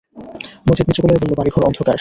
মজিদ নিচু গলায় বলল, বাড়িঘর অন্ধকার।